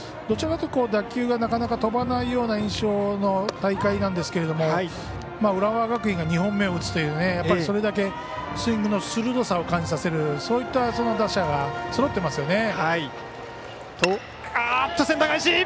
どちらかというと打球がなかなか飛ばない印象の大会なんですけど浦和学院が２本目を打つというそれだけスイングの鋭さを感じさせるそういった打者がそろってますよね。